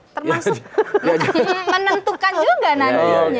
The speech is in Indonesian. termasuk menentukan juga nantinya